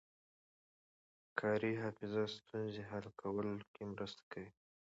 کاري حافظه ستونزې حل کولو کې مرسته کوي.